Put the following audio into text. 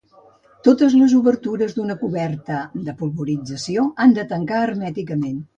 Totes les obertures d'una coberta de polvorització han de tancar hermèticament.